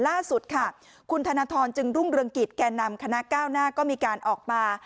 ล่าสุดค่ะคุณธนทรจึงรุ่งเรืองกิจแก่นำคณะก้าวหน้าก็มีการออกมา